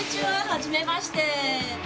はじめまして。